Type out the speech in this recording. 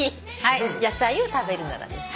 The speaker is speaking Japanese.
「野菜を食べるなら」です。